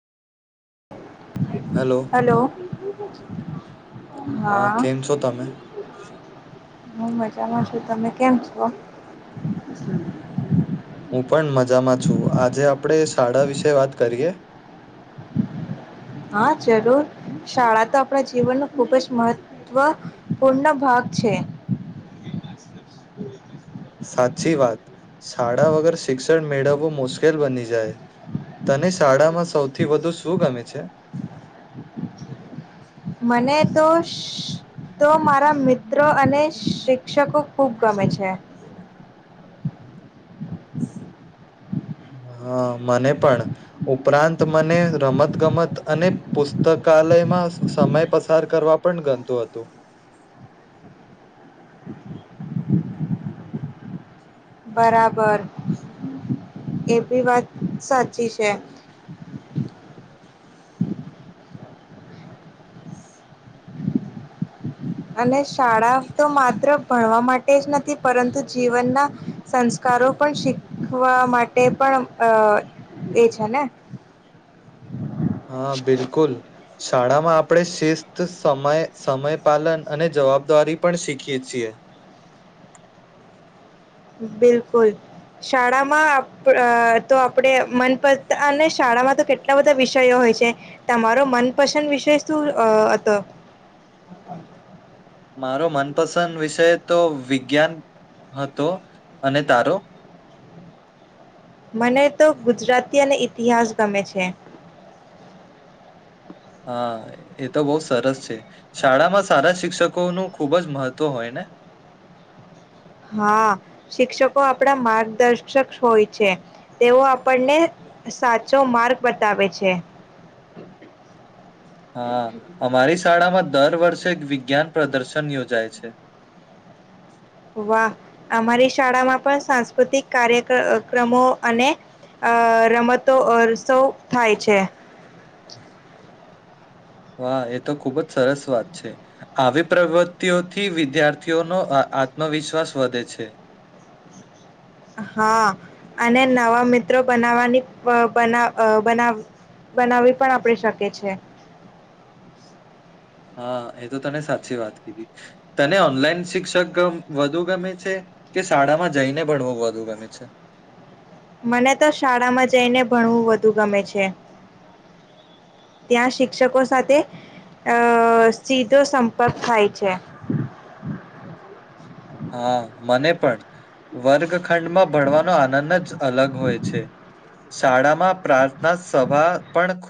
Hello hello હા કેમ છો તમે. હું મજામાં છું તમે કેમ છો. એ હું પણ મજામાં છું આજે આપણેે શાળા વિશે વાત કરીએ. હા જરૂર. શાળા તો આપણા જીવનનો ખૂબ જ મહત્વપૂર્ણ ભાગ છે. સાચી વાત શાળા વગર શિક્ષણ મેળવવું મુશ્કેલ બની જાય તને શાળામાં સૌથી વધુ શું ગમે છે. મને તો તો મારા મિત્રો અને શિક્ષકો ખૂબ ગમે છે. [inaudible] હા મને પણ ઉપરાંત મને રમત ગમત અને પુસ્તકાલયમાં સમય પસાર કરવા પણ ગમતું હતું. બરાબર એ ભી વાત સાચી છે. અને શાળા તો માત્ર ભણવા માટે જ નથી પરંતુ જીવનના સંસ્કારો પણ શીખવા માટે પણ અ એ છે ને. હા બિલકુલ. શાળામાં આપણે શિસ્ત સમય સમય પાલન અને જવાબદારી પણ શીખીએ છીએ. બિલકુલ શાળામાં તો આપડ મનપસ અને શાળામાં તો કેટલા બધા વિષયો હોય છે તમારો મનપસંદ વિષય શું હતો. મારો મનપસંદ વિષય તો વિજ્ઞાન હતો અને તારો મને તો ગુજરાતી અને ઈતિહાસ ગમે છે. હા એ તો બહુ સરસ છે શાળામાં સારા શિક્ષકો નું ખુબ જ મહત્વ હોય ને હા શિક્ષકો આપણા માર્ગદર્શક હોય છે તેઓ આપણને સાચો માર્ગ બતાવે છે. હા અમારી શાળામાં દર વર્ષે એક વિજ્ઞાન પ્રદર્શન યોજાય છે. વાહ અમારી શાળામાં પણ સાંસ્કૃતિક કાર્ય ક્રમો અને અ રમતો ઉસવ થાય છે. હા એ તો ખુબ જ સરસ વાત છે આવી પ્રવૃતિઓથી વિદ્યાર્થીઓનો આત્મવિશ્વાસ વધે છે. હા. હા અને નવા મિત્ર ત્રો બનાવાની અ બ અ બના બનાવવી પણ આપણે શકીએ છે. હા, એ તો તને સાચી વાત કીધી, તને ઓનલાઈન શિક્ષક વધુ ગમે છે કે શાળામાં જઈને ભણવું વધુ ગમે છે? મને તો શાળામાં જઈને ભણવું વધુ ગમે છે ત્યાં શિક્ષકો સાથે અહ સીધો સંપર્ક થાય છે. હા, મને પણ વર્ગ ખંડમાં ભણવાનો આનંદ જ અલગ હોય છે શાળામાં પ્રાર્થના સભા પણ